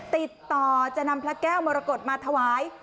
ติดต่อจะนำพระแก้วมรกฏมาถวาย